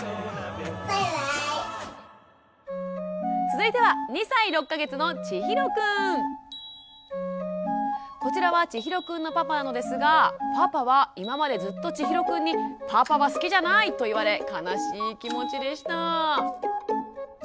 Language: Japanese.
続いてはこちらはちひろくんのパパなのですがパパは今までずっとちひろくんにと言われ悲しい気持ちでした。